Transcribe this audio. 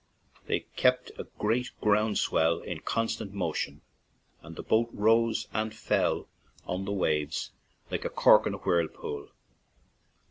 They keep a great ground swell in constant motion, and the boat rose and fell on these waves like a cork in a whirlpool.